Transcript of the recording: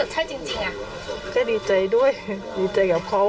ที่เพราะก็ใช้จริงอ่ะ